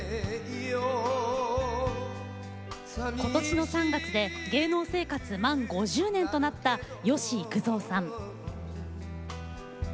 今年の３月で芸能生活満５０年となった吉幾三さん。